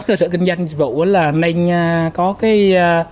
cơ sở kinh doanh dịch vụ là mình có cái mã qr